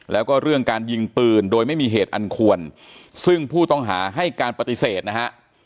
แล้วก็เรื่องการยิงปืนโดยไม่มีเหตุอันควรซึ่งผู้ต้องหาให้การปฏิเสธนะฮะ